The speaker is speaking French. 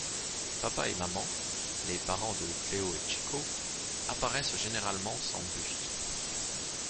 Papa et Maman, les parents de Cléo et Chico, apparaissent généralement sans buste.